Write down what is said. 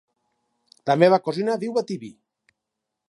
La meva cosina viu a Tibi.